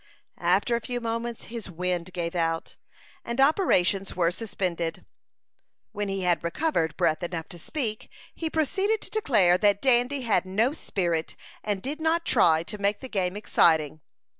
After a few moments his "wind" gave out, and operations were suspended. When he had recovered breath enough to speak, he proceeded to declare that Dandy had no spirit, and did not try to make the game exciting.